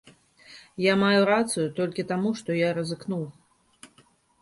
Я маю рацыю толькі таму, што я рызыкнуў.